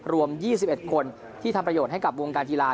รวม๒๑คนที่ทำประโยชน์ให้กับวงการกีฬา